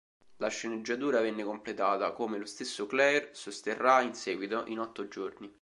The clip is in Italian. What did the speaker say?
La sceneggiatura venne completata, come lo stesso Clair sosterrà in seguito, in otto giorni.